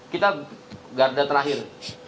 kita garda terakhir